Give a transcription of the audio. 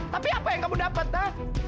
tapi apa yang kamu dapet hah